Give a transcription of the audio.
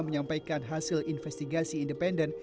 menyampaikan hasil investigasi independen